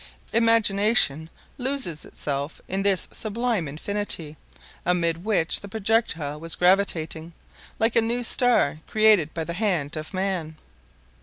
Imagination loses itself in this sublime Infinity, amid which the projectile was gravitating, like a new star created by the hand of man.